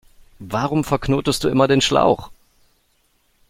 Warum verknotest du immer den Schlauch?